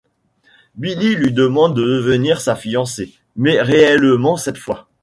Billy lui demande de devenir sa fiancée, mais réellement cette fois.